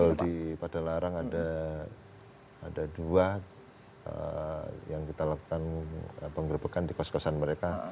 ini pada larang ada dua yang kita lakukan penggerpekan di fox foxan mereka